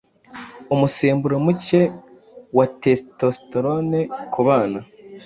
umusemburo muke wa testosterone ku bana